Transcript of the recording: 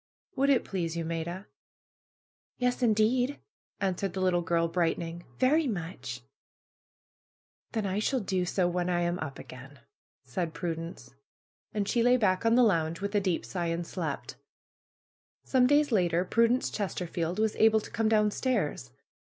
Would it please you, Maida?'* ^'Yes, indeed," answered the little girl, brightening. "Very much !" PRUE'S GARDENER 197 "Then I shall do so when I am up again," said Pru dence. And she lay back on the lounge with a deep sigh and slept. Some days later Prudence Chesterfield was able to come downstairs.